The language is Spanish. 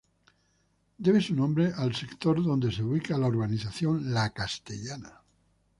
Debe su nombre al sector donde se ubica La Urbanización La Castellana.